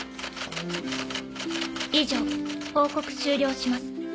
「以上報告終了します」。